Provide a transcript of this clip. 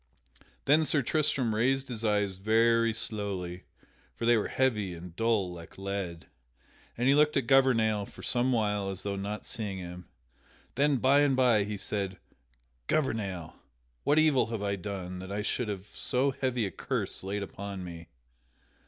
Then Sir Tristram raised his eyes very slowly (for they were heavy and dull like lead) and he looked at Gouvernail for some while as though not seeing him. Then by and by he said: "Gouvernail, what evil have I done that I should have so heavy a curse laid upon me?"